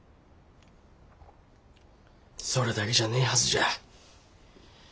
それだけじゃねえはずじゃ。